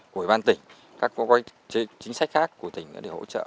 của bàn tỉnh các chính sách khác của tỉnh để hỗ trợ